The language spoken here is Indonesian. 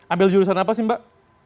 ambil jurusan apa sih mbak